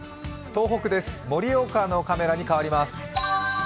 東北です、盛岡のカメラに変わります。